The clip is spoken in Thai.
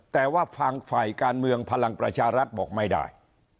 แต่ว่าฟังฝ่ายการเมืองพลังประชารัฐบอกไม่ได้